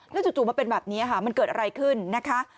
จู่มาเป็นแบบนี้ค่ะมันเกิดอะไรขึ้นนะคะ